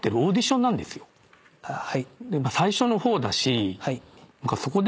はい。